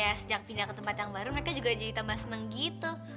ya sejak pindah ke tempat yang baru mereka juga jadi tambah senang gitu